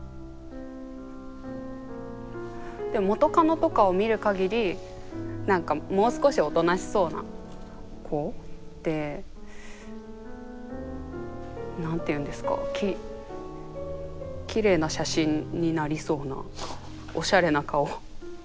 でも元カノとかを見るかぎり何かもう少しおとなしそうな子で何ていうんですかきれいな写真になりそうなおしゃれな顔。